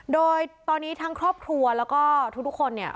โดยตอนนี้ทั้งครอบครัวแล้วก็ทุกคนเนี่ย